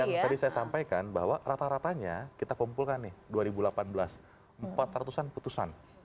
yang tadi saya sampaikan bahwa rata ratanya kita kumpulkan nih dua ribu delapan belas empat ratus an putusan